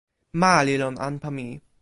ma li lon anpa mi.